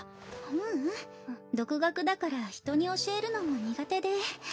ううん独学だから人に教えるのも苦手で。